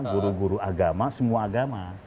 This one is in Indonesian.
guru guru agama semua agama